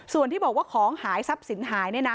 ส่วนที่บอกว่าของหายทรัพย์สินหาย